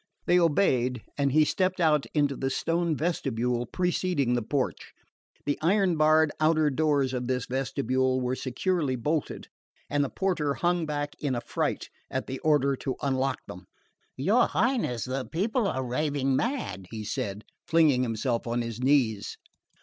They obeyed, and he stepped out into the stone vestibule preceding the porch. The iron barred outer doors of this vestibule were securely bolted, and the porter hung back in affright at the order to unlock them. "Your Highness, the people are raving mad," he said, flinging himself on his knees.